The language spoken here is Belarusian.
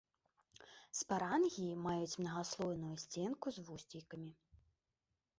Спарангіі маюць мнагаслойную сценку з вусцейкамі.